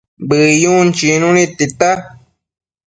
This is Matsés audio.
Bëyun chicnu nid tita